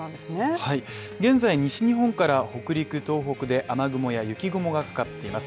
はい現在西日本から北陸東北で雨雲や雪雲がかかっています。